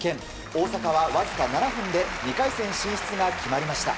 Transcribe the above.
大坂は、わずか７分で２回戦進出が決まりました。